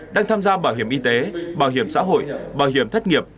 đang tham gia bảo hiểm y tế bảo hiểm xã hội bảo hiểm thất nghiệp